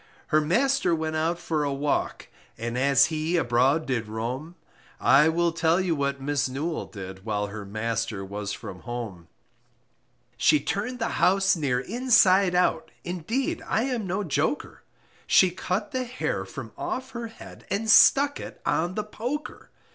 Her master went out for a walk, And as he abroad did roam, I will tell you what Miss Newall did, While her master was from home; She turned the house near inside out, Indeed I am no joker, She cut the hair from off her head, And stuck it on the poker.